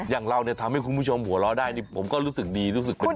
อย่างเราเนี่ยทำให้คุณผู้ชมหัวเราะได้นี่ผมก็รู้สึกดีรู้สึกเป็น